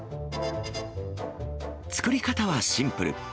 作り方はシンプル。